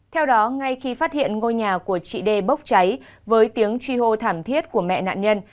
theo đó ngay khi phát hiện ngôi nhà của chị đê bốc cháy với tiếng truy hô thảm thiết của mẹ nạn nhân